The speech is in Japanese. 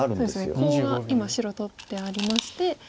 コウが今白取ってありまして。